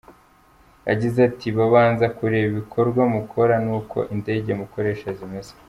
Yagize ati : “Babanza kureba ibikorwa mukora, n’uko indege mukoresha zimeze.